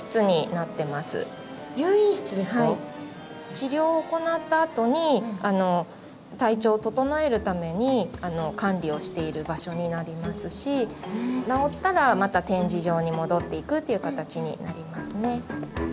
治療を行ったあとに体調を整えるために管理をしている場所になりますし治ったらまた展示場に戻っていくっていう形になりますね。